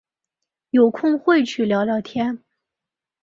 有空会去聊聊天